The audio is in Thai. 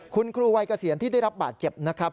คุณครูวัยเกษียณที่ได้รับบาดเจ็บนะครับ